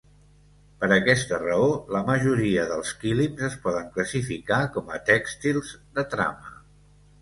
Per aquesta raó, la majoria dels quilims es poden classificar com a tèxtils "de trama".